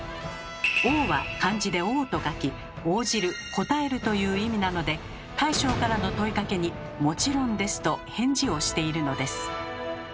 「オー」は漢字で「応」と書き「応じる」「応える」という意味なので大将からの問いかけに「もちろんです」と返事をしているのです。